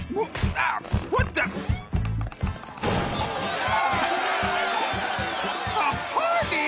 何でパーティー？